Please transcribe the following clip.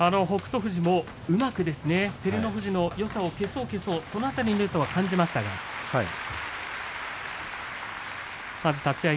富士もうまく照ノ富士のよさを消そう消そうとその辺りの意図は感じましたはい。